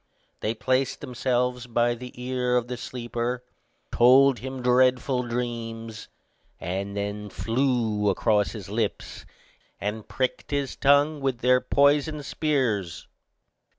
They placed themselves by the ear of the sleeper, told him dreadful dreams and then flew across his lips, and pricked his tongue with their poisoned spears.